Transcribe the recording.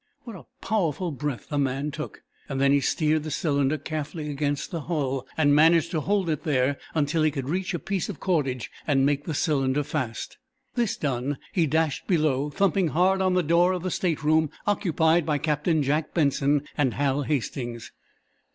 What a powerful breath the man took! Then he steered the cylinder carefully against the hull, and managed to hold it there until he could reach a piece of cordage and make the cylinder fast. This done, he dashed below, thumping hard on the door of the stateroom occupied by Captain Jack Benson and Hal Hastings.